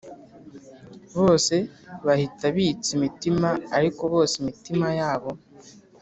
bose bahita bitsa imitima ariko bose imitima yabo